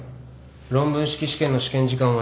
論文式試験の試験時間は２時間。